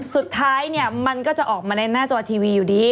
สุดท้ายเนี่ยมันก็จะออกมาในหน้าจอทีวีอยู่ดี